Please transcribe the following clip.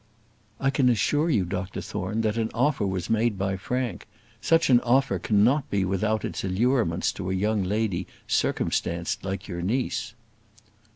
"I can assure you, Dr Thorne, that an offer was made by Frank; such an offer cannot be without its allurements to a young lady circumstanced like your niece."